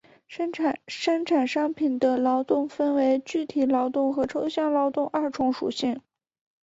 生产商品的劳动分为具体劳动和抽象劳动二重属性。